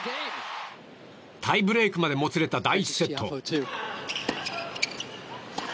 タイブレークまでもつれた第１セット。